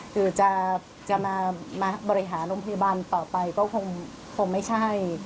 คือจะมาบริหารโรงพยาบาลต่อไปก็คงไม่ใช่